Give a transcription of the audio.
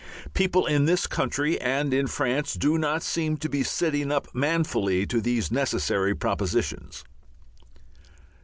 People in this country and in France do not seem to be sitting up manfully to these necessary propositions.